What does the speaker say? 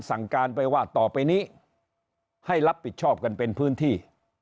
สั่งการไปว่าต่อไปนี้ให้รับผิดชอบกันเป็นพื้นที่